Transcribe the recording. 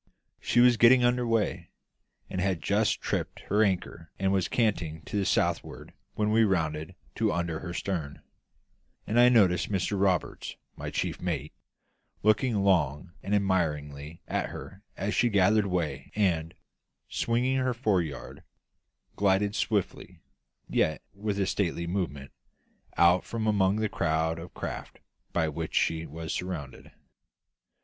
She was getting under way, and had just tripped her anchor and was canting to the southward when we rounded to under her stern; and I noticed Mr Roberts, my chief mate, looking long and admiringly at her as she gathered way and, swinging her fore yard, glided swiftly, yet with a stately movement, out from among the crowd of craft by which she was surrounded.